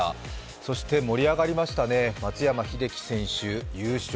そして盛り上がりましたね、松山英樹選手、優勝。